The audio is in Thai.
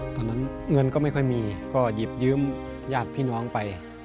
ตอนนั้นเงินก็ไม่ค่อยมีก็หยิบยืมญาติพี่น้องไป